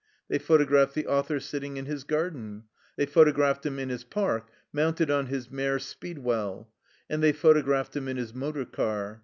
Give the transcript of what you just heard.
They photographed the author sitting in his garden; they photographed him in his park, mounted on his mare, Speedwell; and they photographed him in his motor car.